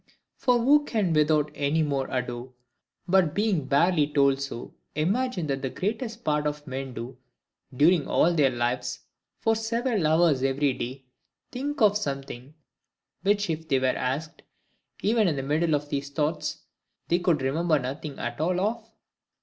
For who can without any more ado, but being barely told so, imagine that the greatest part of men do, during all their lives, for several hours every day, think of something, which if they were asked, even in the middle of these thoughts, they could remember nothing at all of?